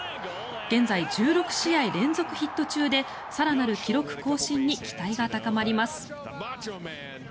現在１６試合連続ヒット中で更なる記録更新に期待が高まります。